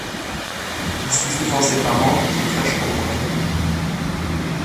Il suit souvent ses parents qui prêchent au coin des rues.